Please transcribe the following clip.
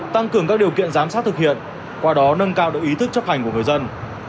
tăng cường các điều kiện giám sát thực hiện qua đó nâng cao được ý thức chấp hành của người dân